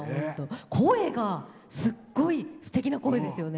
声がすっごいすてきな声ですよね。